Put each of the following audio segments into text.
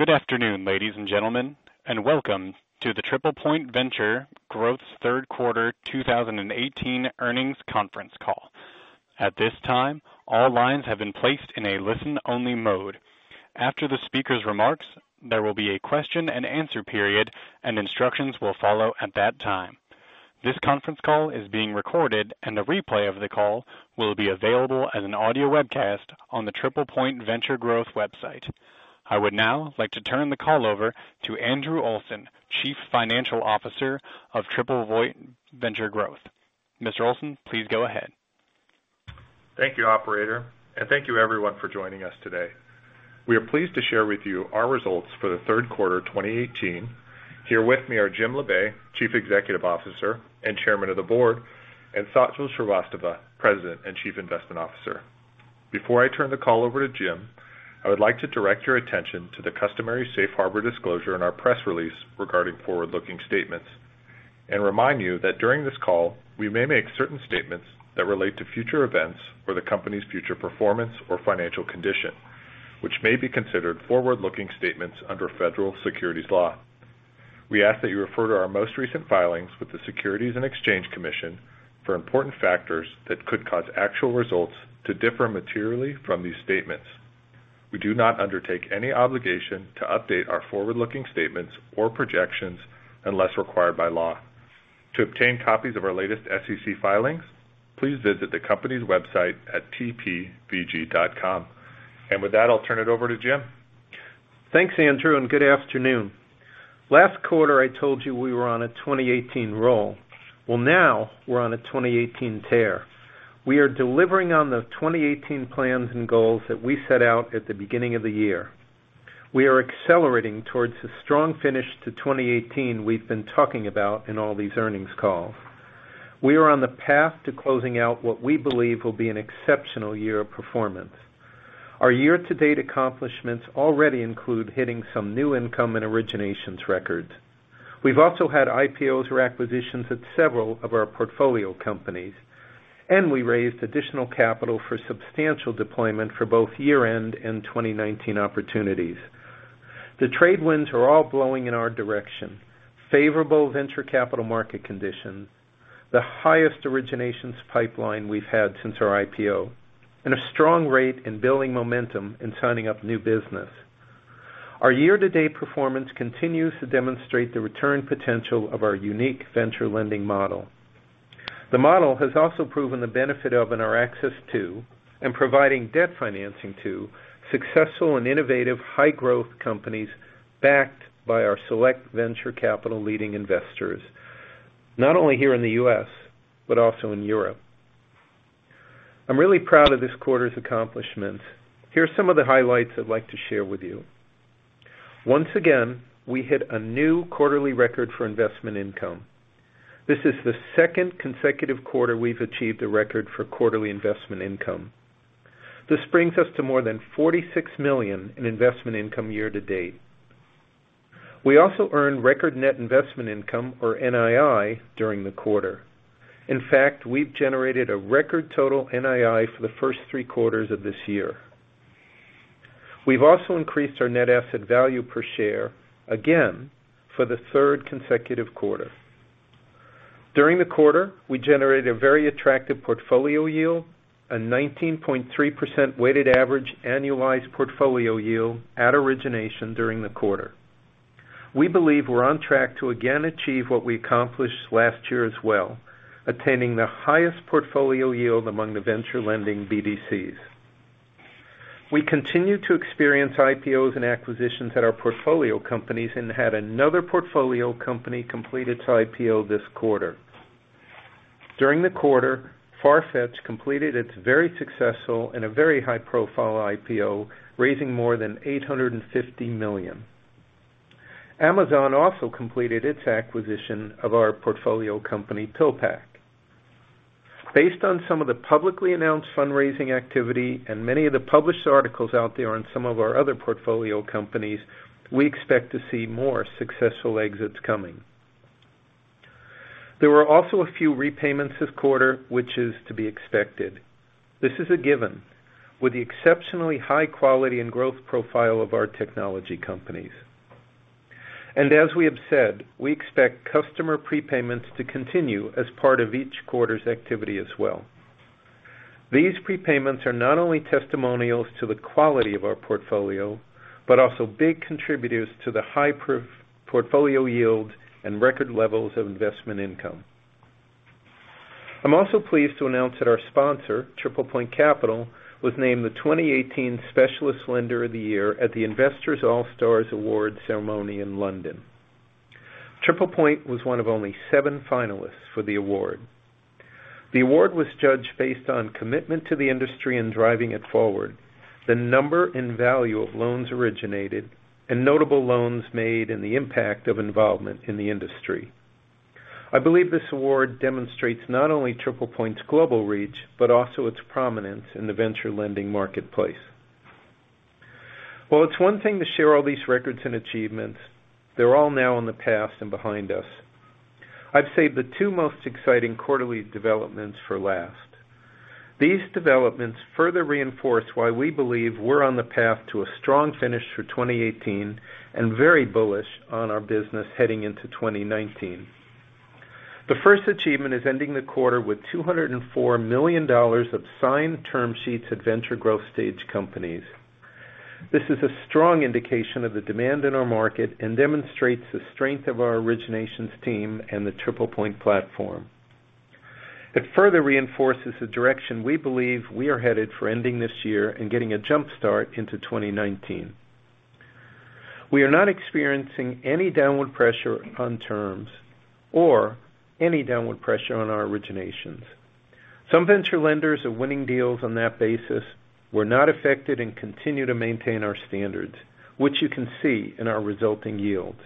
Good afternoon, ladies and gentlemen, and welcome to the TriplePoint Venture Growth third quarter 2018 earnings conference call. At this time, all lines have been placed in a listen-only mode. After the speaker's remarks, there will be a question and answer period, and instructions will follow at that time. This conference call is being recorded, and a replay of the call will be available as an audio webcast on the TriplePoint Venture Growth website. I would now like to turn the call over to Andrew Olson, Chief Financial Officer of TriplePoint Venture Growth. Mr. Olson, please go ahead. Thank you, operator, and thank you, everyone, for joining us today. We are pleased to share with you our results for the third quarter 2018. Here with me are Jim Labe, Chief Executive Officer and Chairman of the Board, and Sajal Srivastava, President and Chief Investment Officer. Before I turn the call over to Jim, I would like to direct your attention to the customary safe harbor disclosure in our press release regarding forward-looking statements and remind you that during this call, we may make certain statements that relate to future events or the company's future performance or financial condition, which may be considered forward-looking statements under federal securities law. We ask that you refer to our most recent filings with the Securities and Exchange Commission for important factors that could cause actual results to differ materially from these statements. We do not undertake any obligation to update our forward-looking statements or projections unless required by law. To obtain copies of our latest SEC filings, please visit the company's website at tpvg.com. With that, I'll turn it over to Jim. Thanks, Andrew, and good afternoon. Last quarter, I told you we were on a 2018 roll. Well, now we're on a 2018 tear. We are delivering on the 2018 plans and goals that we set out at the beginning of the year. We are accelerating towards a strong finish to 2018 we've been talking about in all these earnings calls. We are on the path to closing out what we believe will be an exceptional year of performance. Our year-to-date accomplishments already include hitting some new income and originations records. We've also had IPOs or acquisitions at several of our portfolio companies, and we raised additional capital for substantial deployment for both year-end and 2019 opportunities. The trade winds are all blowing in our direction. Favorable venture capital market conditions, the highest originations pipeline we've had since our IPO, and a strong rate in building momentum in signing up new business. Our year-to-date performance continues to demonstrate the return potential of our unique venture lending model. The model has also proven the benefit of, and our access to, and providing debt financing to successful and innovative high-growth companies backed by our select venture capital leading investors, not only here in the U.S., but also in Europe. I'm really proud of this quarter's accomplishments. Here are some of the highlights I'd like to share with you. Once again, we hit a new quarterly record for investment income. This is the second consecutive quarter we've achieved a record for quarterly investment income. This brings us to more than $46 million in investment income year to date. We also earned record net investment income, or NII, during the quarter. In fact, we've generated a record total NII for the first three quarters of this year. We've also increased our NAV per share, again, for the third consecutive quarter. During the quarter, we generated a very attractive portfolio yield, a 19.3% weighted average annualized portfolio yield at origination during the quarter. We believe we're on track to again achieve what we accomplished last year as well, attaining the highest portfolio yield among the venture lending BDCs. We continue to experience IPOs and acquisitions at our portfolio companies and had another portfolio company complete its IPO this quarter. During the quarter, Farfetch completed its very successful and a very high-profile IPO, raising more than $850 million. Amazon also completed its acquisition of our portfolio company, PillPack. Based on some of the publicly announced fundraising activity and many of the published articles out there on some of our other portfolio companies, we expect to see more successful exits coming. There were also a few repayments this quarter, which is to be expected. This is a given with the exceptionally high quality and growth profile of our technology companies. As we have said, we expect customer prepayments to continue as part of each quarter's activity as well. These prepayments are not only testimonials to the quality of our portfolio, but also big contributors to the high portfolio yield and record levels of investment income. I'm also pleased to announce that our sponsor, TriplePoint Capital, was named the 2018 Specialist Lender of the Year at the Investor Allstars Awards ceremony in London. TriplePoint was one of only seven finalists for the award. The award was judged based on commitment to the industry and driving it forward, the number and value of loans originated, and notable loans made and the impact of involvement in the industry. I believe this award demonstrates not only TriplePoint's global reach, but also its prominence in the venture lending marketplace. Well, it's one thing to share all these records and achievements. They're all now in the past and behind us. I've saved the two most exciting quarterly developments for last. These developments further reinforce why we believe we're on the path to a strong finish for 2018, and very bullish on our business heading into 2019. The first achievement is ending the quarter with $204 million of signed term sheets at venture growth stage companies. This is a strong indication of the demand in our market and demonstrates the strength of our originations team and the TriplePoint platform. It further reinforces the direction we believe we are headed for ending this year and getting a jump start into 2019. We are not experiencing any downward pressure on terms or any downward pressure on our originations. Some venture lenders are winning deals on that basis. We are not affected and continue to maintain our standards, which you can see in our resulting yields.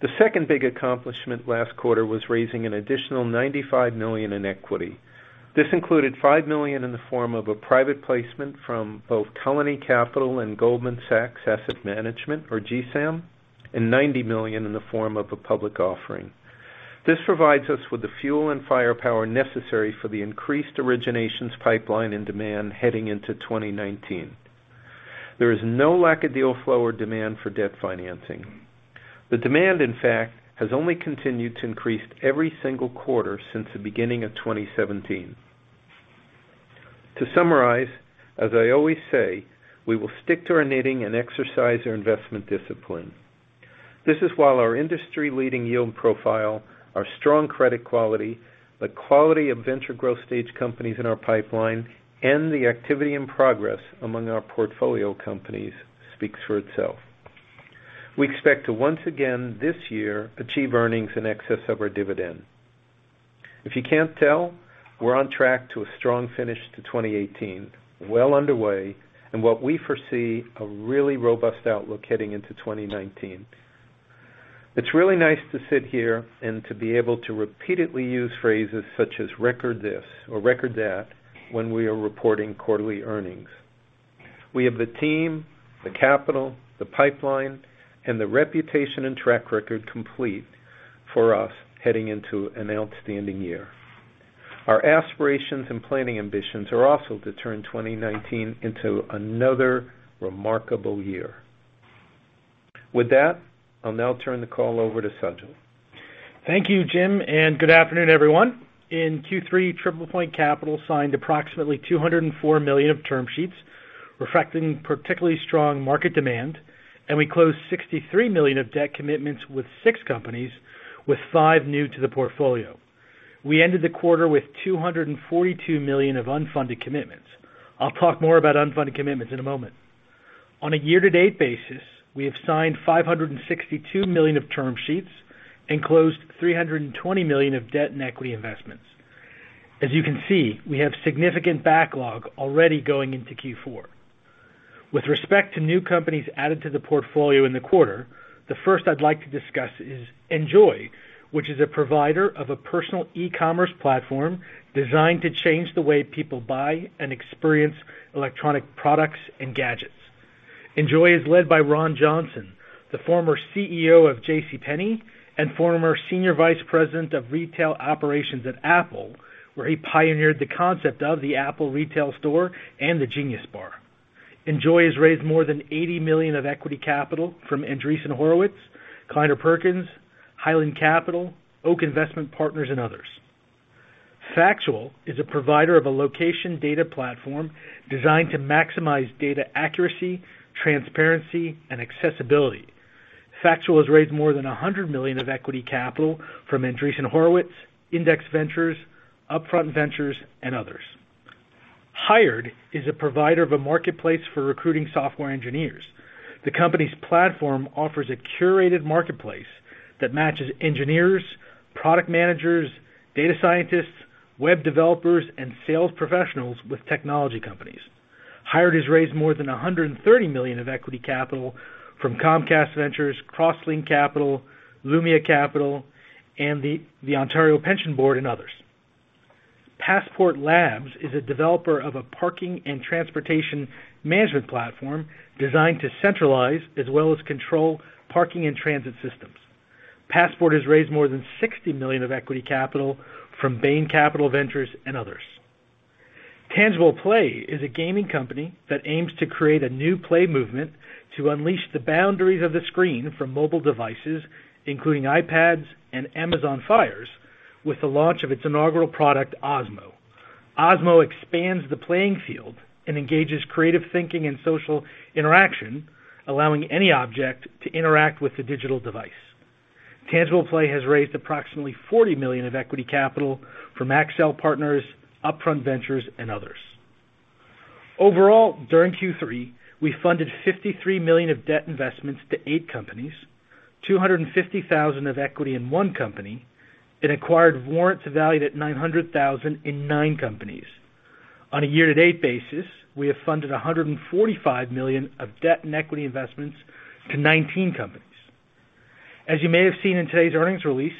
The second big accomplishment last quarter was raising an additional $95 million in equity. This included $5 million in the form of a private placement from both Colony Capital and Goldman Sachs Asset Management, or GSAM, and $90 million in the form of a public offering. This provides us with the fuel and firepower necessary for the increased originations pipeline and demand heading into 2019. There is no lack of deal flow or demand for debt financing. The demand, in fact, has only continued to increase every single quarter since the beginning of 2017. To summarize, as I always say, we will stick to our knitting and exercise our investment discipline. This is while our industry-leading yield profile, our strong credit quality, the quality of venture growth stage companies in our pipeline, and the activity and progress among our portfolio companies speaks for itself. We expect to, once again, this year, achieve earnings in excess of our dividend. If you cannot tell, we are on track to a strong finish to 2018, well underway, and what we foresee a really robust outlook heading into 2019. It is really nice to sit here and to be able to repeatedly use phrases such as record this or record that when we are reporting quarterly earnings. We have the team, the capital, the pipeline, and the reputation and track record complete for us heading into an outstanding year. Our aspirations and planning ambitions are also to turn 2019 into another remarkable year. With that, I will now turn the call over to Sajal. Thank you, Jim, and good afternoon, everyone. In Q3, TriplePoint Capital signed approximately $204 million of term sheets, reflecting particularly strong market demand, and we closed $63 million of debt commitments with six companies, with five new to the portfolio. We ended the quarter with $242 million of unfunded commitments. I will talk more about unfunded commitments in a moment. On a year-to-date basis, we have signed $562 million of term sheets and closed $320 million of debt and equity investments. As you can see, we have significant backlog already going into Q4. With respect to new companies added to the portfolio in the quarter, the first I would like to discuss is Enjoy, which is a provider of a personal e-commerce platform designed to change the way people buy and experience electronic products and gadgets. Enjoy is led by Ron Johnson, the former CEO of JCPenney and former senior vice president of retail operations at Apple, where he pioneered the concept of the Apple retail store and the Genius Bar. Enjoy has raised more than $80 million of equity capital from Andreessen Horowitz, Kleiner Perkins, Highland Capital Partners, Oak Investment Partners, and others. Factual is a provider of a location data platform designed to maximize data accuracy, transparency, and accessibility. Factual has raised more than $100 million of equity capital from Andreessen Horowitz, Index Ventures, Upfront Ventures, and others. Hired is a provider of a marketplace for recruiting software engineers. The company's platform offers a curated marketplace that matches engineers, product managers, data scientists, web developers, and sales professionals with technology companies. Hired has raised more than $130 million of equity capital from Comcast Ventures, Crosslink Capital, Lumia Capital, and the Ontario Teachers' Pension Plan, and others. Passport Labs, Inc. is a developer of a parking and transportation management platform designed to centralize as well as control parking and transit systems. Passport has raised more than $60 million of equity capital from Bain Capital Ventures and others. Tangible Play is a gaming company that aims to create a new play movement to unleash the boundaries of the screen from mobile devices, including iPads and Amazon Fire, with the launch of its inaugural product, Osmo. Osmo expands the playing field and engages creative thinking and social interaction, allowing any object to interact with the digital device. Tangible Play has raised approximately $40 million of equity capital from Accel, Upfront Ventures, and others. Overall, during Q3, we funded $53 million of debt investments to eight companies, $250,000 of equity in one company, and acquired warrants valued at $900,000 in nine companies. On a year-to-date basis, we have funded $145 million of debt and equity investments to 19 companies. As you may have seen in today's earnings release,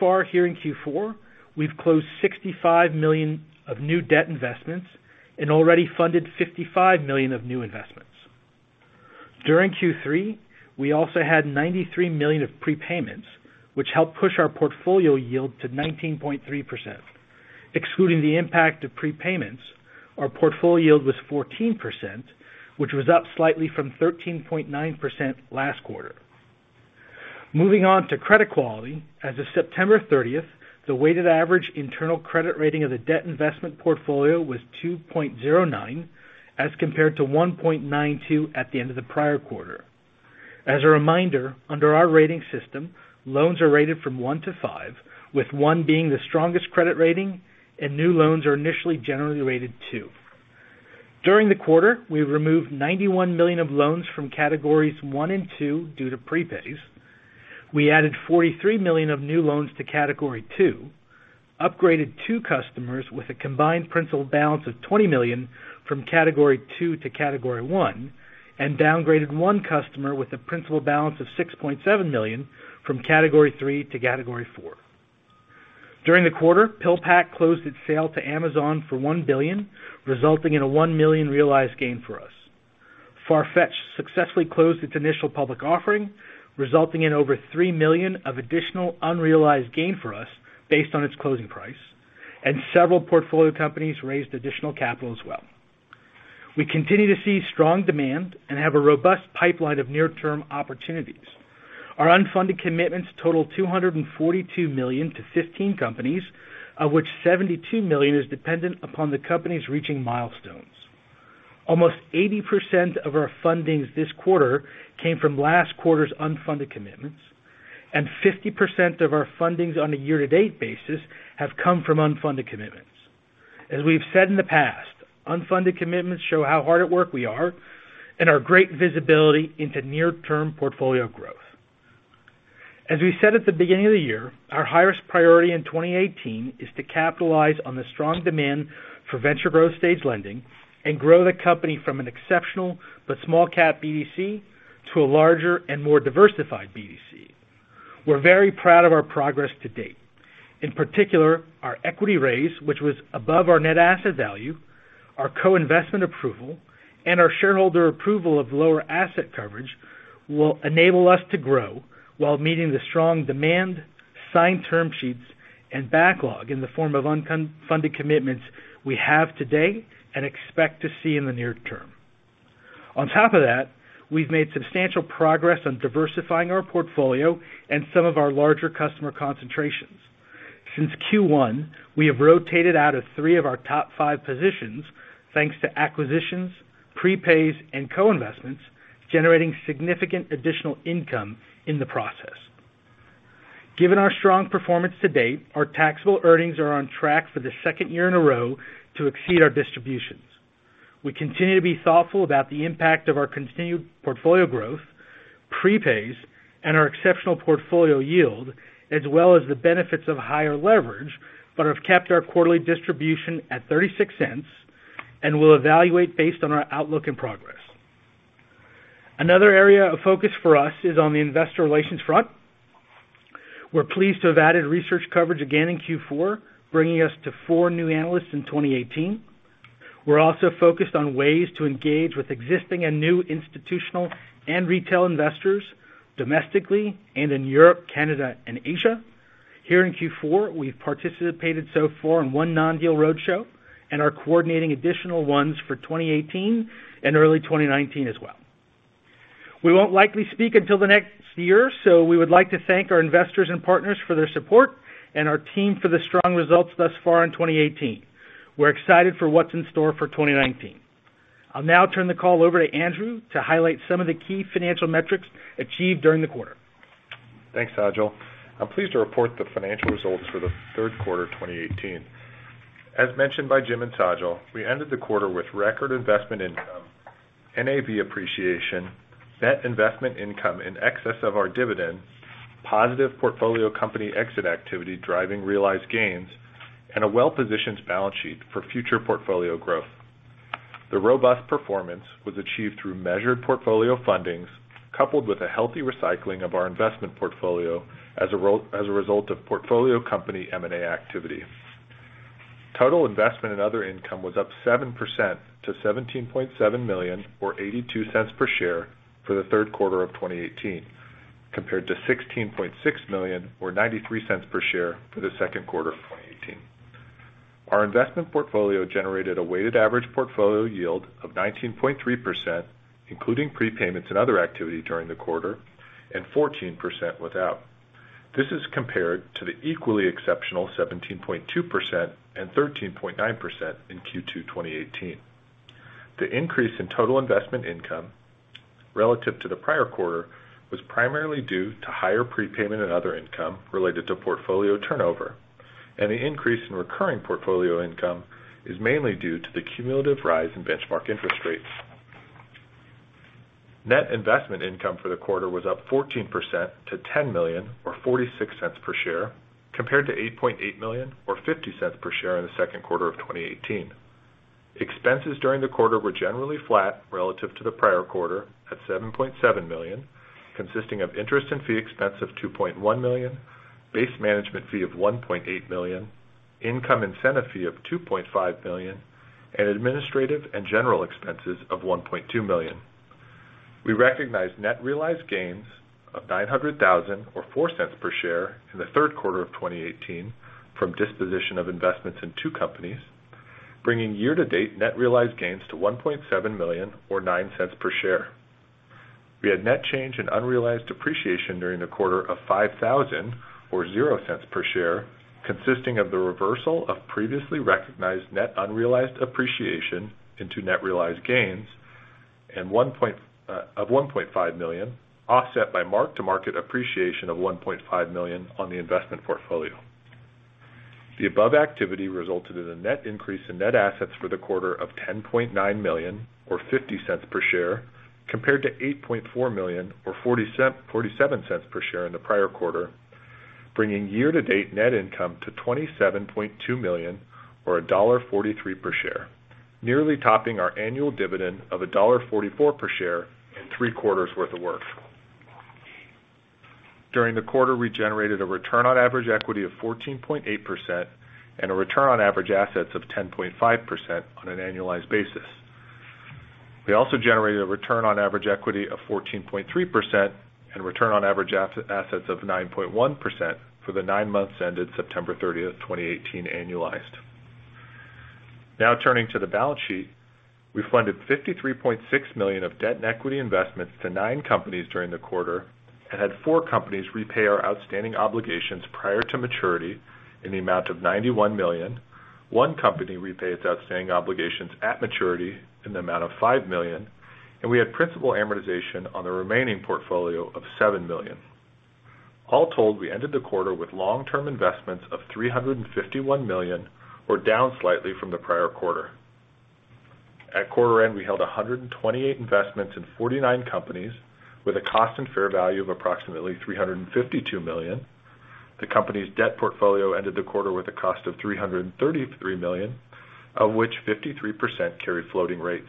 far here in Q4, we've closed $65 million of new debt investments and already funded $55 million of new investments. During Q3, we also had $93 million of prepayments, which helped push our portfolio yield to 19.3%. Excluding the impact of prepayments, our portfolio yield was 14%, which was up slightly from 13.9% last quarter. Moving on to credit quality. As of September 30th, the weighted average internal credit rating of the debt investment portfolio was 2.09 as compared to 1.92 at the end of the prior quarter. As a reminder, under our rating system, loans are rated from 1 to 5, with 1 being the strongest credit rating, and new loans are initially generally rated 2. During the quarter, we removed $91 million of loans from categories 1 and 2 due to prepays. We added $43 million of new loans to category 2, upgraded two customers with a combined principal balance of $20 million from category 2 to category 1, and downgraded one customer with a principal balance of $6.7 million from category 3 to category 4. During the quarter, PillPack closed its sale to Amazon for $1 billion, resulting in a $1 million realized gain for us. Farfetch successfully closed its initial public offering, resulting in over $3 million of additional unrealized gain for us based on its closing price, and several portfolio companies raised additional capital as well. We continue to see strong demand and have a robust pipeline of near-term opportunities. Our unfunded commitments total $242 million to 15 companies, of which $72 million is dependent upon the companies reaching milestones. Almost 80% of our fundings this quarter came from last quarter's unfunded commitments, and 50% of our fundings on a year-to-date basis have come from unfunded commitments. As we've said in the past, unfunded commitments show how hard at work we are and our great visibility into near-term portfolio growth. As we said at the beginning of the year, our highest priority in 2018 is to capitalize on the strong demand for venture growth stage lending and grow the company from an exceptional but small cap BDC to a larger and more diversified BDC. We're very proud of our progress to date. In particular, our equity raise, which was above our net asset value, our co-investment approval, and our shareholder approval of lower asset coverage will enable us to grow while meeting the strong demand, signed term sheets, and backlog in the form of unfunded commitments we have today and expect to see in the near term. On top of that, we've made substantial progress on diversifying our portfolio and some of our larger customer concentrations. Since Q1, we have rotated out of three of our top five positions, thanks to acquisitions, prepays, and co-investments, generating significant additional income in the process. Given our strong performance to date, our taxable earnings are on track for the second year in a row to exceed our distributions. We continue to be thoughtful about the impact of our continued portfolio growth, prepays, and our exceptional portfolio yield, as well as the benefits of higher leverage, but have kept our quarterly distribution at $0.36 and will evaluate based on our outlook and progress. Another area of focus for us is on the investor relations front. We're pleased to have added research coverage again in Q4, bringing us to four new analysts in 2018. We're also focused on ways to engage with existing and new institutional and retail investors domestically and in Europe, Canada, and Asia. Here in Q4, we've participated so far in one non-deal roadshow and are coordinating additional ones for 2018 and early 2019 as well. We won't likely speak until the next year, so we would like to thank our investors and partners for their support and our team for the strong results thus far in 2018. We're excited for what's in store for 2019. I'll now turn the call over to Andrew to highlight some of the key financial metrics achieved during the quarter. Thanks, Sajal. I'm pleased to report the financial results for the third quarter of 2018. As mentioned by Jim and Sajal, we ended the quarter with record investment income, NAV appreciation, net investment income in excess of our dividend, positive portfolio company exit activity driving realized gains, and a well-positioned balance sheet for future portfolio growth. The robust performance was achieved through measured portfolio fundings, coupled with a healthy recycling of our investment portfolio as a result of portfolio company M&A activity. Total investment and other income was up 7% to $17.7 million, or $0.82 per share, for the third quarter of 2018, compared to $16.6 million or $0.93 per share for the second quarter of 2018. Our investment portfolio generated a weighted average portfolio yield of 19.3%, including prepayments and other activity during the quarter, and 14% without. This is compared to the equally exceptional 17.2% and 13.9% in Q2 2018. The increase in total investment income relative to the prior quarter was primarily due to higher prepayment and other income related to portfolio turnover, and the increase in recurring portfolio income is mainly due to the cumulative rise in benchmark interest rates. Net investment income for the quarter was up 14% to $10 million or $0.46 per share, compared to $8.8 million or $0.50 per share in the second quarter of 2018. Expenses during the quarter were generally flat relative to the prior quarter at $7.7 million, consisting of interest and fee expense of $2.1 million, base management fee of $1.8 million, income incentive fee of $2.5 million, and administrative and general expenses of $1.2 million. We recognized net realized gains of $900,000 or $0.04 per share in the third quarter of 2018 from disposition of investments in two companies, bringing year-to-date net realized gains to $1.7 million or $0.09 per share. We had net change in unrealized appreciation during the quarter of $5,000 or $0.00 per share, consisting of the reversal of previously recognized net unrealized appreciation into net realized gains of $1.5 million, offset by mark-to-market appreciation of $1.5 million on the investment portfolio. The above activity resulted in a net increase in net assets for the quarter of $10.9 million or $0.50 per share, compared to $8.4 million or $0.47 per share in the prior quarter, bringing year-to-date net income to $27.2 million or $1.43 per share, nearly topping our annual dividend of $1.44 per share in three quarters worth of work. During the quarter, we generated a return on average equity of 14.8% and a return on average assets of 10.5% on an annualized basis. We also generated a return on average equity of 14.3% and return on average assets of 9.1% for the nine months ended September 30th, 2018 annualized. Now turning to the balance sheet. We funded $53.6 million of debt and equity investments to nine companies during the quarter and had four companies repay our outstanding obligations prior to maturity in the amount of $91 million. One company repaid its outstanding obligations at maturity in the amount of $5 million, and we had principal amortization on the remaining portfolio of $7 million. All told, we ended the quarter with long-term investments of $351 million, or down slightly from the prior quarter. At quarter end, we held 128 investments in 49 companies with a cost and fair value of approximately $352 million. The company's debt portfolio ended the quarter with a cost of $333 million, of which 53% carry floating rates.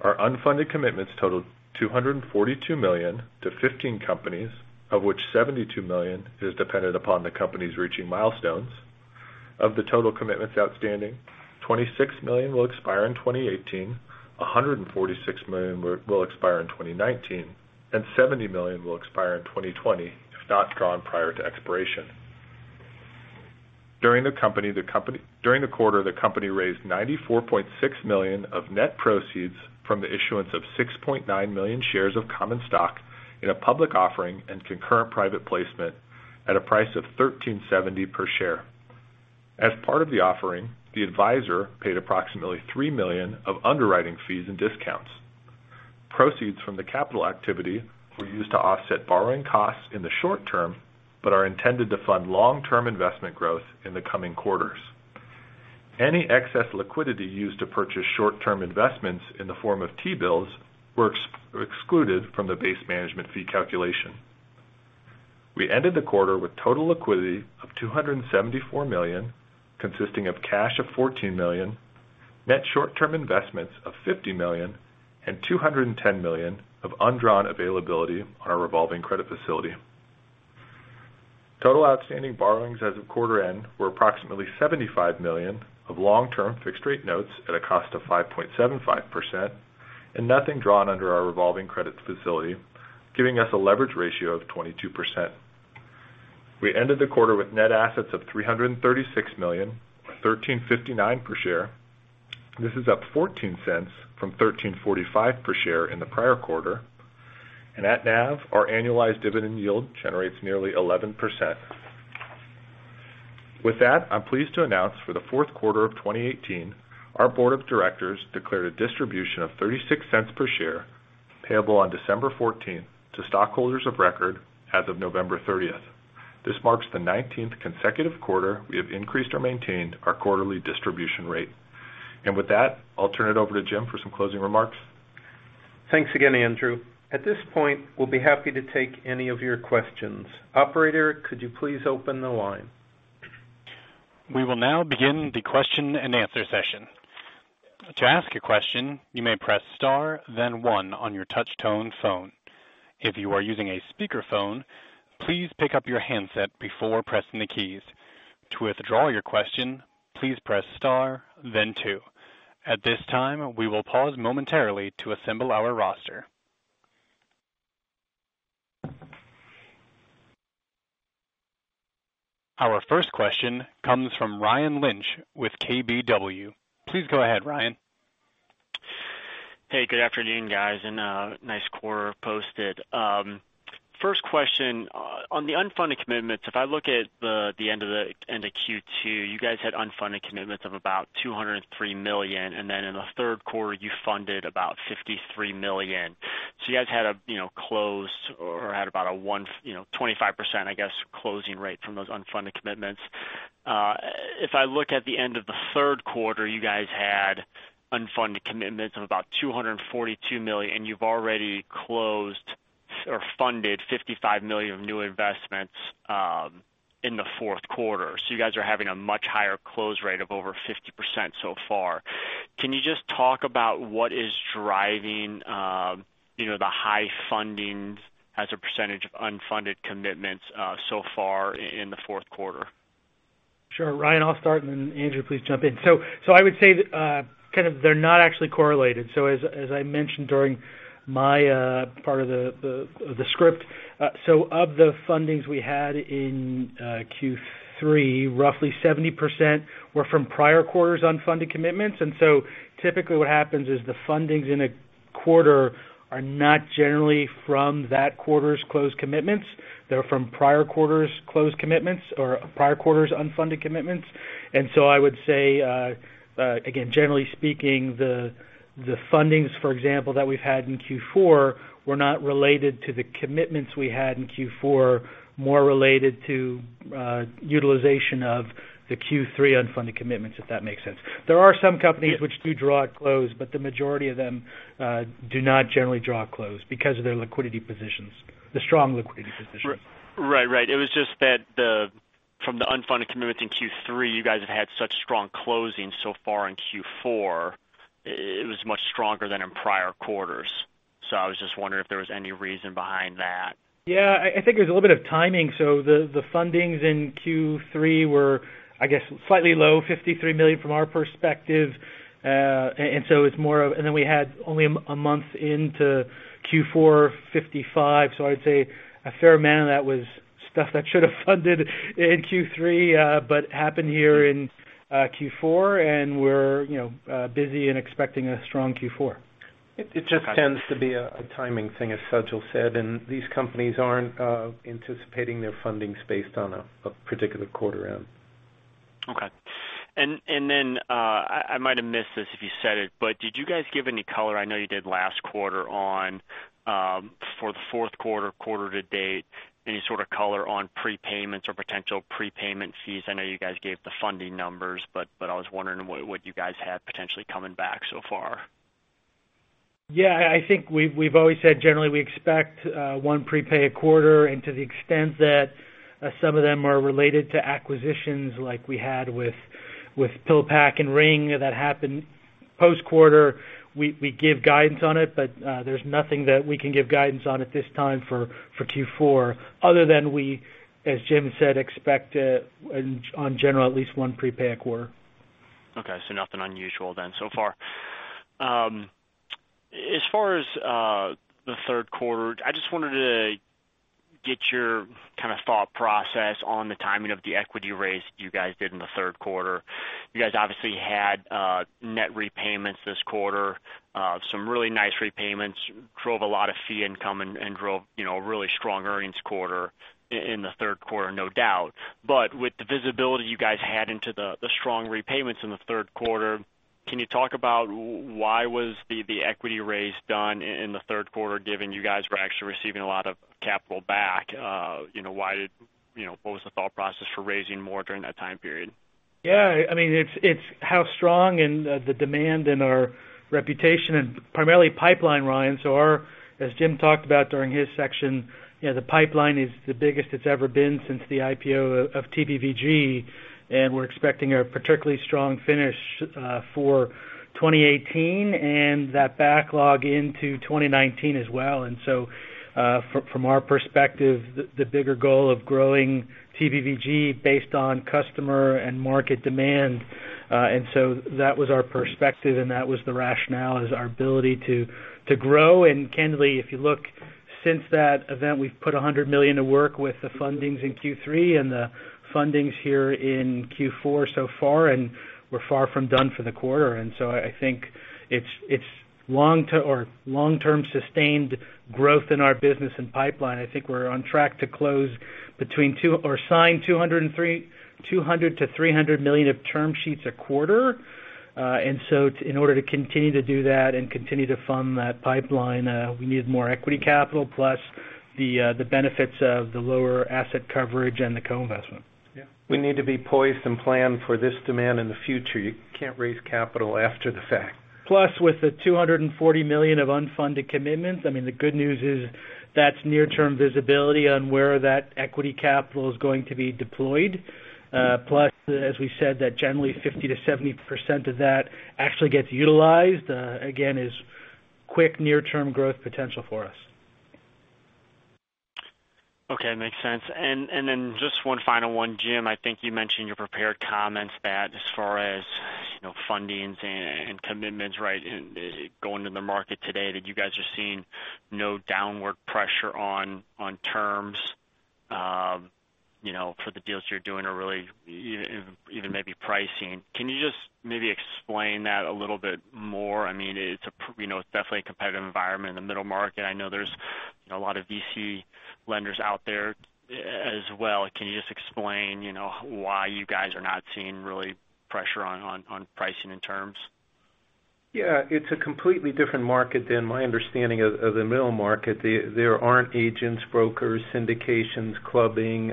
Our unfunded commitments totaled $242 million to 15 companies, of which $72 million is dependent upon the companies reaching milestones. Of the total commitments outstanding, $26 million will expire in 2018, $146 million will expire in 2019, and $70 million will expire in 2020, if not drawn prior to expiration. During the quarter, the company raised $94.6 million of net proceeds from the issuance of 6.9 million shares of common stock in a public offering and concurrent private placement at a price of $13.70 per share. As part of the offering, the advisor paid approximately $3 million of underwriting fees and discounts. Proceeds from the capital activity were used to offset borrowing costs in the short term, but are intended to fund long-term investment growth in the coming quarters. Any excess liquidity used to purchase short-term investments in the form of T-bills were excluded from the base management fee calculation. We ended the quarter with total liquidity of $274 million, consisting of cash of $14 million, net short-term investments of $50 million, and $210 million of undrawn availability on our revolving credit facility. Total outstanding borrowings as of quarter end were approximately $75 million of long-term fixed rate notes at a cost of 5.75%, and nothing drawn under our revolving credit facility, giving us a leverage ratio of 22%. We ended the quarter with net assets of $336 million or $13.59 per share. This is up $0.14 from $13.45 per share in the prior quarter. At NAV, our annualized dividend yield generates nearly 11%. With that, I'm pleased to announce for the fourth quarter of 2018, our board of directors declared a distribution of $0.36 per share payable on December 14th to stockholders of record as of November 30th. This marks the 19th consecutive quarter we have increased or maintained our quarterly distribution rate. With that, I'll turn it over to Jim for some closing remarks. Thanks again, Andrew. At this point, we'll be happy to take any of your questions. Operator, could you please open the line. We will now begin the question and answer session. To ask a question, you may press star then one on your touch tone phone. If you are using a speakerphone, please pick up your handset before pressing the keys. To withdraw your question, please press star then two. At this time, we will pause momentarily to assemble our roster. Our first question comes from Ryan Lynch with KBW. Please go ahead, Ryan. Hey, good afternoon, guys, and nice quarter posted. First question. On the unfunded commitments, if I look at the end of Q2, you guys had unfunded commitments of about $203 million, and then in the third quarter, you funded about $53 million. You guys had a closed or had about a 25%, I guess, closing rate from those unfunded commitments. If I look at the end of the third quarter, you guys had unfunded commitments of about $242 million, and you've already closed Or funded $55 million of new investments in the fourth quarter. You guys are having a much higher close rate of over 50% so far. Can you just talk about what is driving the high fundings as a percentage of unfunded commitments so far in the fourth quarter? Sure. Ryan, I'll start, and then Andrew, please jump in. I would say they're not actually correlated. As I mentioned during my part of the script, so of the fundings we had in Q3, roughly 70% were from prior quarters' unfunded commitments. Typically what happens is the fundings in a quarter are not generally from that quarter's closed commitments. They're from prior quarter's closed commitments or prior quarter's unfunded commitments. I would say, again, generally speaking, the fundings, for example, that we've had in Q4, were not related to the commitments we had in Q4, more related to utilization of the Q3 unfunded commitments. If that makes sense. There are some companies which do draw it closed, but the majority of them do not generally draw it closed because of their liquidity positions, the strong liquidity positions. Right. It was just that from the unfunded commitments in Q3, you guys have had such strong closing so far in Q4. It was much stronger than in prior quarters. I was just wondering if there was any reason behind that. Yeah, I think it was a little bit of timing. The fundings in Q3 were, I guess, slightly low, $53 million from our perspective. We had only a month into Q4 $55. I'd say a fair amount of that was stuff that should have funded in Q3 but happened here in Q4. We're busy and expecting a strong Q4. Okay. It just tends to be a timing thing, as Sajal said, these companies aren't anticipating their fundings based on a particular quarter end. Okay. I might have missed this if you said it, did you guys give any color, I know you did last quarter, for the fourth quarter to date, any sort of color on prepayments or potential prepayment fees? I know you guys gave the funding numbers I was wondering what you guys have potentially coming back so far. Yeah, I think we've always said, generally, we expect one prepay a quarter. To the extent that some of them are related to acquisitions like we had with PillPack and Ring that happened post quarter, we give guidance on it. There's nothing that we can give guidance on at this time for Q4 other than we, as Jim said, expect on general at least one prepay a quarter. Okay, nothing unusual then so far. As far as the third quarter, I just wanted to get your kind of thought process on the timing of the equity raise you guys did in the third quarter. You guys obviously had net repayments this quarter. Some really nice repayments. Drove a lot of fee income and drove a really strong earnings quarter in the third quarter, no doubt. With the visibility you guys had into the strong repayments in the third quarter, can you talk about why was the equity raise done in the third quarter, given you guys were actually receiving a lot of capital back? What was the thought process for raising more during that time period? Yeah, it's how strong and the demand and our reputation and primarily pipeline, Ryan. As Jim talked about during his section, the pipeline is the biggest it's ever been since the IPO of TPVG. We're expecting a particularly strong finish for 2018 and that backlog into 2019 as well. From our perspective, the bigger goal of growing TPVG based on customer and market demand. That was our perspective, and that was the rationale is our ability to grow. Candidly, if you look since that event, we've put $100 million to work with the fundings in Q3 and the fundings here in Q4 so far, and we're far from done for the quarter. I think it's long-term sustained growth in our business and pipeline. I think we're on track to close or sign $200 million-$300 million of term sheets a quarter. In order to continue to do that and continue to fund that pipeline we need more equity capital plus the benefits of the lower asset coverage and the co-investment. Yeah. We need to be poised and planned for this demand in the future. You can't raise capital after the fact. Plus, with the $240 million of unfunded commitments, the good news is that's near-term visibility on where that equity capital is going to be deployed. Plus, as we said, that generally 50%-70% of that actually gets utilized. Again is quick near-term growth potential for us. Okay. Makes sense. Just one final one. Jim, I think you mentioned your prepared comments that as far as fundings and commitments, going to the market today, that you guys are seeing no downward pressure on terms for the deals you're doing or really even maybe pricing. Can you just maybe explain that a little bit more? It's definitely a competitive environment in the middle market. I know there's a lot of VC lenders out there as well. Can you just explain why you guys are not seeing really pressure on pricing and terms? Yeah. It's a completely different market than my understanding of the middle market. There aren't agents, brokers, syndications, clubbing,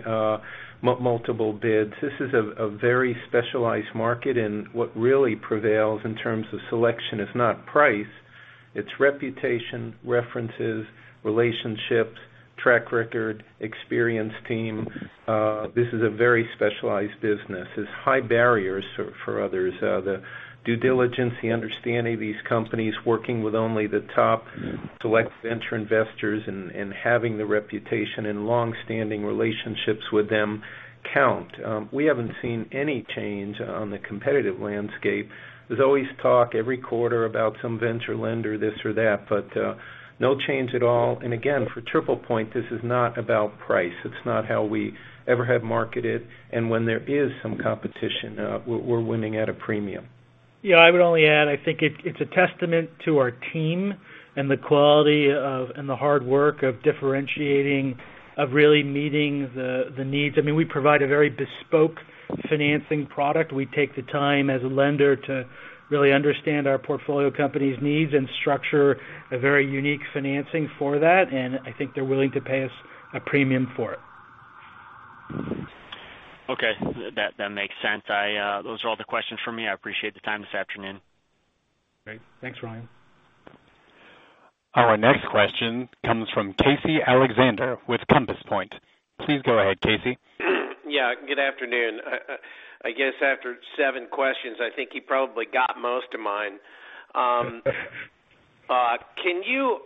multiple bids. This is a very specialized market, and what really prevails in terms of selection is not price Its reputation, references, relationships, track record, experience team. This is a very specialized business. It's high barriers for others. The due diligence, the understanding these companies, working with only the top select venture investors and having the reputation and longstanding relationships with them count. We haven't seen any change on the competitive landscape. There's always talk every quarter about some venture lender, this or that, but no change at all. Again, for TriplePoint, this is not about price. It's not how we ever have marketed. When there is some competition, we're winning at a premium. I would only add, I think it's a testament to our team and the quality of, and the hard work of differentiating, of really meeting the needs. We provide a very bespoke financing product. We take the time as a lender to really understand our portfolio company's needs and structure a very unique financing for that, I think they're willing to pay us a premium for it. Okay. That makes sense. Those are all the questions for me. I appreciate the time this afternoon. Great. Thanks, Ryan. Our next question comes from Casey Alexander with Compass Point. Please go ahead, Casey. Yeah, good afternoon. I guess after seven questions, I think you probably got most of mine. Can you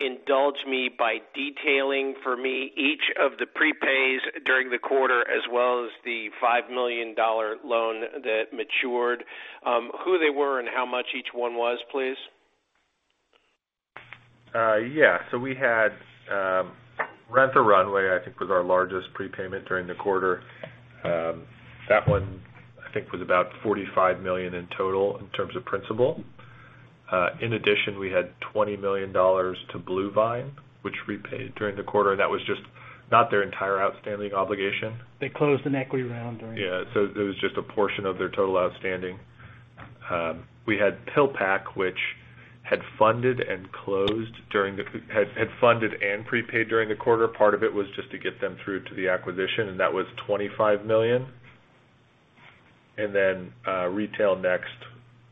indulge me by detailing for me each of the prepays during the quarter as well as the $5 million loan that matured, who they were and how much each one was, please? Yeah. We had Rent the Runway, I think, was our largest prepayment during the quarter. That one, I think, was about $45 million in total in terms of principal. In addition, we had $20 million to BlueVine, which we paid during the quarter. That was just not their entire outstanding obligation. They closed an equity round during. Yeah. It was just a portion of their total outstanding. We had PillPack, which had funded and prepaid during the quarter. Part of it was just to get them through to the acquisition, and that was $25 million. RetailNext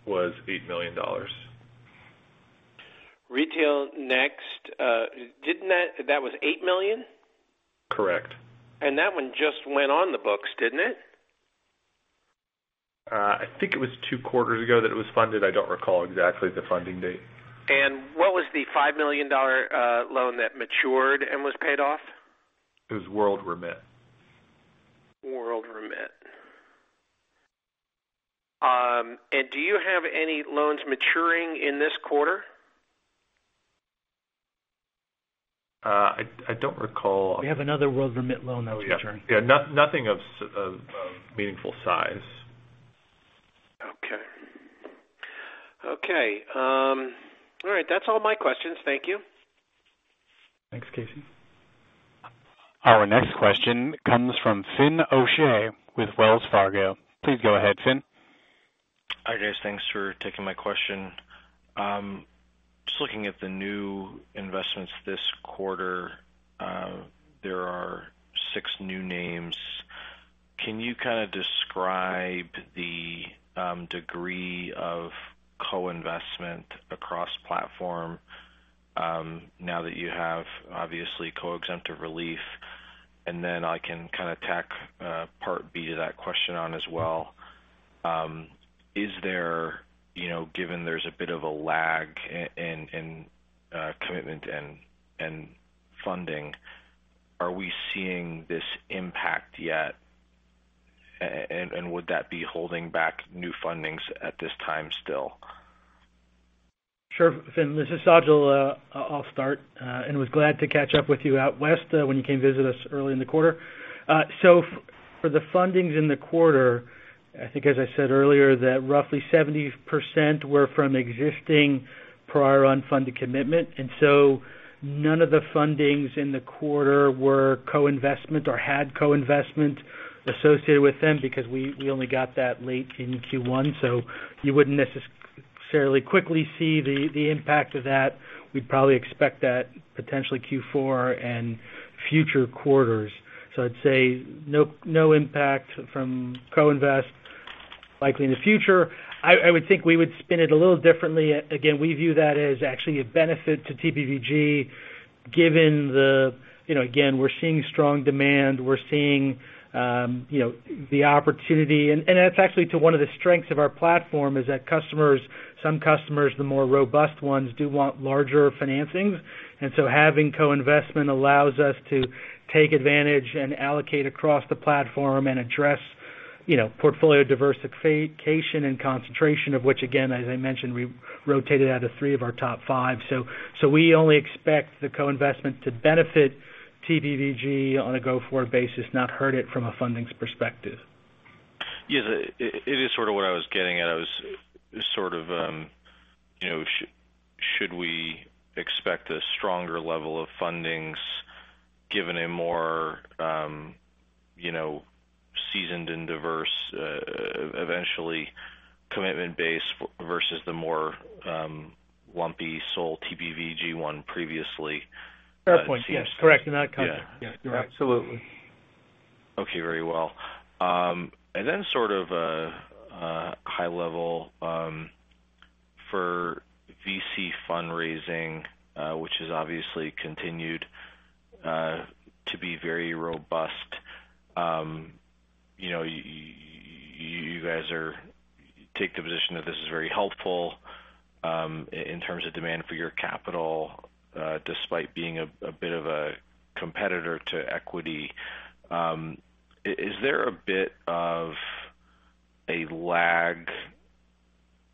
was $8 million. RetailNext. That was $8 million? Correct. That one just went on the books, didn't it? I think it was two quarters ago that it was funded. I don't recall exactly the funding date. What was the $5 million loan that matured and was paid off? It was WorldRemit. WorldRemit. Do you have any loans maturing in this quarter? I don't recall. We have another WorldRemit loan that will return. Yeah. Nothing of meaningful size. Okay. All right. That's all my questions. Thank you. Thanks, Casey. Our next question comes from Fin O'Shea with Wells Fargo. Please go ahead, Fin. Hi, guys. Thanks for taking my question. Just looking at the new investments this quarter, there are six new names. Can you kind of describe the degree of co-investment across platform, now that you have, obviously, co-exemptive relief? I can kind of tack part B to that question on as well. Given there's a bit of a lag in commitment and funding, are we seeing this impact yet? Would that be holding back new fundings at this time still? Sure, Fin. This is Sajal. I'll start, and was glad to catch up with you out west, when you came visit us early in the quarter. For the fundings in the quarter, I think as I said earlier, that roughly 70% were from existing prior unfunded commitment. None of the fundings in the quarter were co-investment or had co-investment associated with them because we only got that late in Q1. You wouldn't necessarily quickly see the impact of that. We'd probably expect that potentially Q4 and future quarters. I'd say no impact from co-invest, likely in the future. I would think we would spin it a little differently. Again, we view that as actually a benefit to TPVG, given we're seeing strong demand. We're seeing the opportunity. That's actually to one of the strengths of our platform, is that some customers, the more robust ones, do want larger financings. Having co-investment allows us to take advantage and allocate across the platform and address portfolio diversification and concentration of which, again, as I mentioned, we rotated out of three of our top five. We only expect the co-investment to benefit TPVG on a go-forward basis, not hurt it from a fundings perspective. Yeah. It is sort of what I was getting at. Should we expect a stronger level of fundings given a more seasoned and diverse, eventually commitment base versus the more lumpy sole TPVG one previously? Fair point. Yes. Correct. In that context. Yeah. Absolutely. Okay, very well. Then sort of a high level for VC fundraising, which has obviously continued to be very robust. You guys take the position that this is very helpful in terms of demand for your capital, despite being a bit of a competitor to equity. Is there a bit of a lag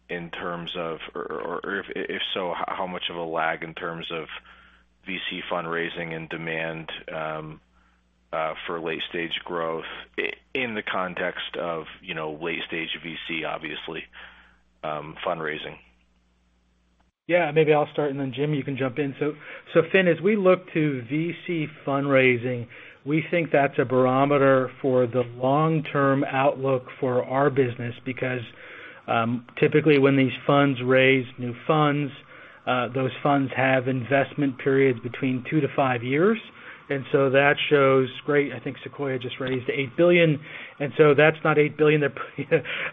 in terms of Or if so, how much of a lag in terms of VC fundraising and demand for late-stage growth in the context of late-stage VC, obviously, fundraising? Maybe I'll start, and then Jim, you can jump in. Fin, as we look to VC fundraising, we think that's a barometer for the long-term outlook for our business because, typically, when these funds raise new funds, those funds have investment periods between 2-5 years. That shows great I think Sequoia just raised $8 billion, and that's not $8 billion they're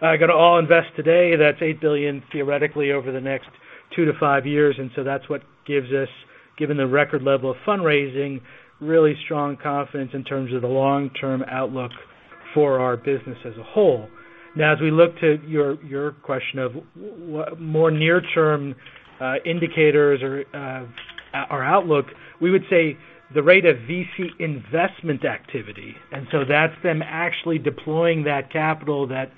going to all invest today. That's $8 billion theoretically over the next 2-5 years. That's what gives us, given the record level of fundraising, really strong confidence in terms of the long-term outlook for our business as a whole. Now, as we look to your question of more near-term indicators or outlook, we would say the rate of VC investment activity. That's them actually deploying that capital that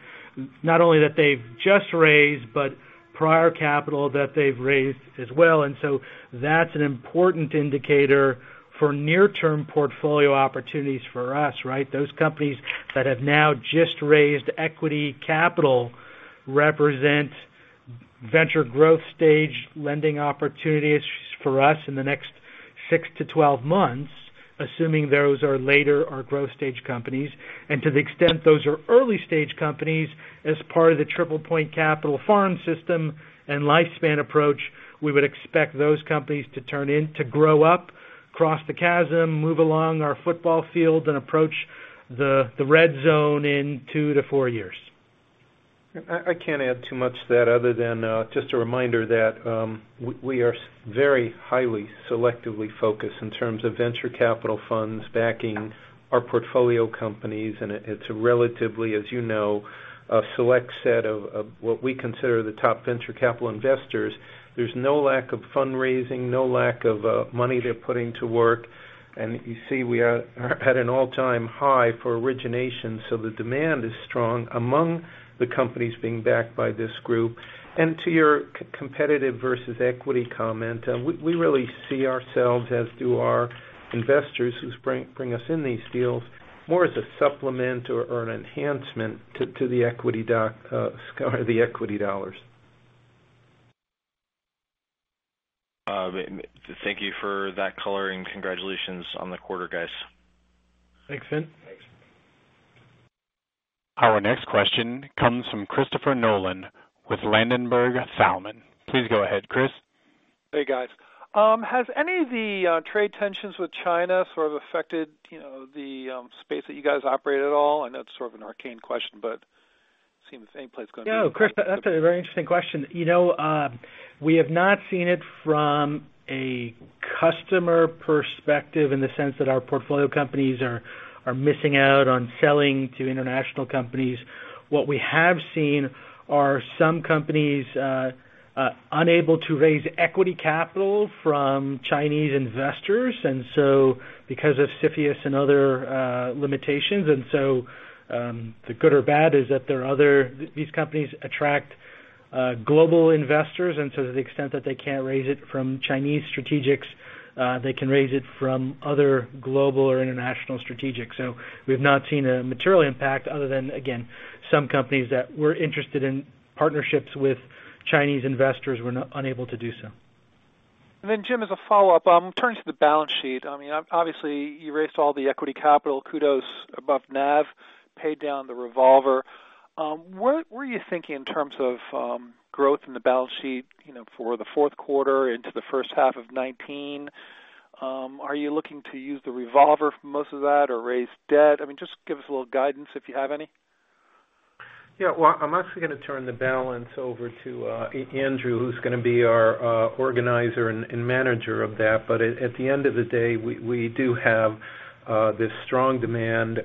not only that they've just raised, but prior capital that they've raised as well. That's an important indicator for near-term portfolio opportunities for us, right? Those companies that have now just raised equity capital represent venture growth stage lending opportunities for us in the next 6-12 months, assuming those are later our growth stage companies. To the extent those are early-stage companies, as part of the TriplePoint Capital farm system and lifespan approach, we would expect those companies to turn in to grow up, cross the chasm, move along our football field, and approach the red zone in 2-4 years. I can't add too much to that other than just a reminder that we are very highly selectively focused in terms of venture capital funds backing our portfolio companies. It's a relatively, as you know, a select set of what we consider the top venture capital investors. There's no lack of fundraising, no lack of money they're putting to work. You see, we are at an all-time high for origination. The demand is strong among the companies being backed by this group. To your competitive versus equity comment, we really see ourselves, as do our investors who bring us in these deals, more as a supplement or an enhancement to the equity dollars. Thank you for that coloring. Congratulations on the quarter, guys. Thanks, Fin. Thanks. Our next question comes from Christopher Nolan with Ladenburg Thalmann. Please go ahead, Chris. Hey, guys. Has any of the trade tensions with China sort of affected the space that you guys operate at all? I know that's sort of an arcane question. No, Chris, that's a very interesting question. We have not seen it from a customer perspective in the sense that our portfolio companies are missing out on selling to international companies. What we have seen are some companies unable to raise equity capital from Chinese investors, and so because of CFIUS and other limitations. The good or bad is that These companies attract global investors, and to the extent that they can't raise it from Chinese strategics, they can raise it from other global or international strategics. We've not seen a material impact other than, again, some companies that were interested in partnerships with Chinese investors were unable to do so. Jim, as a follow-up, turning to the balance sheet. Obviously, you raised all the equity capital kudos above NAV, paid down the revolver. What were you thinking in terms of growth in the balance sheet for the fourth quarter into the first half of 2019? Are you looking to use the revolver for most of that or raise debt? Just give us a little guidance if you have any. Well, I'm actually going to turn the balance over to Andrew, who's going to be our organizer and manager of that. At the end of the day, we do have this strong demand.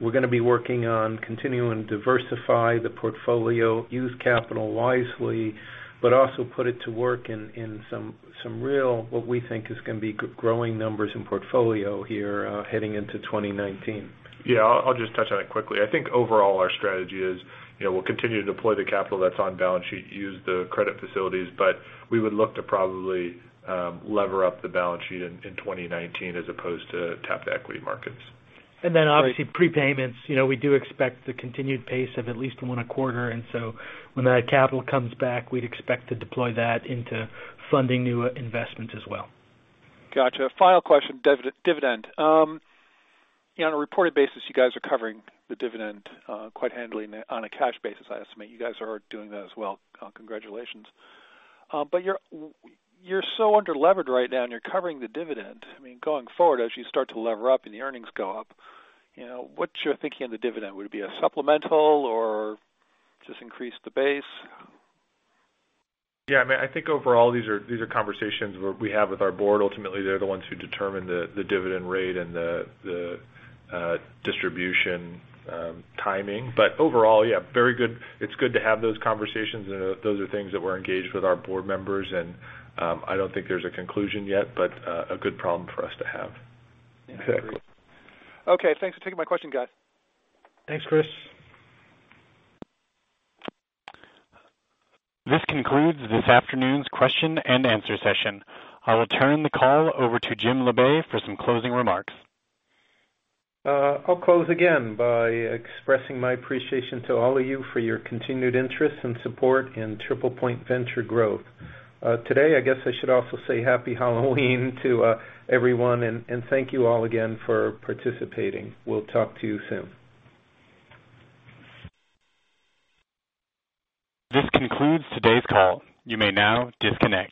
We're going to be working on continuing to diversify the portfolio, use capital wisely, but also put it to work in some real, what we think is going to be growing numbers in portfolio here heading into 2019. I'll just touch on it quickly. I think overall, our strategy is we'll continue to deploy the capital that's on balance sheet, use the credit facilities, we would look to probably lever up the balance sheet in 2019 as opposed to tap the equity markets. Obviously, prepayments. We do expect the continued pace of at least one a quarter, when that capital comes back, we'd expect to deploy that into funding new investments as well. Got you. Final question. Dividend. On a reported basis, you guys are covering the dividend quite handily on a cash basis. I estimate you guys are doing that as well. Congratulations. You're so under-levered right now, and you're covering the dividend. Going forward, as you start to lever up and the earnings go up, what's your thinking on the dividend? Would it be a supplemental or just increase the base? Yeah. I think overall, these are conversations where we have with our board. Ultimately, they're the ones who determine the dividend rate and the distribution timing. Overall, yeah, it's good to have those conversations, and those are things that we're engaged with our board members. I don't think there's a conclusion yet, but a good problem for us to have. Exactly. Okay. Thanks for taking my question, guys. Thanks, Chris. This concludes this afternoon's question and answer session. I will turn the call over to Jim Labe for some closing remarks. I'll close again by expressing my appreciation to all of you for your continued interest and support in TriplePoint Venture Growth. Today, I guess I should also say happy Halloween to everyone, and thank you all again for participating. We'll talk to you soon. This concludes today's call. You may now disconnect.